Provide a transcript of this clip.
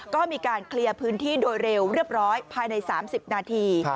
ก็มีการเคลียร์พื้นที่โดยเร็วเรียบร้อยภายใน๓๐นาที